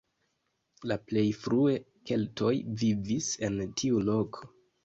La plej frue keltoj vivis en tiu loko.